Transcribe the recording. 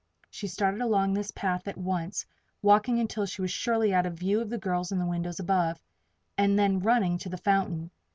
She started along this path at once, walking until she was surely out of view of the girls in the windows above, and then running to the fountain.